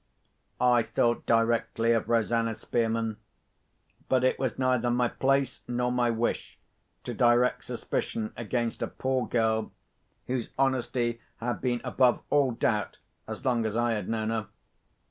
I thought directly of Rosanna Spearman. But it was neither my place nor my wish to direct suspicion against a poor girl, whose honesty had been above all doubt as long as I had known her.